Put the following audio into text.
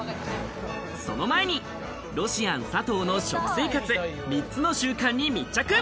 その前に、ロシアン佐藤の食生活、３つの習慣に密着。